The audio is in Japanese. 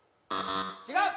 違う